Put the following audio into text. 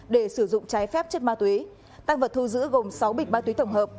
để sử dụng trái phép chất ma túy tăng vật thu giữ gồm sáu bịch ma túy tổng hợp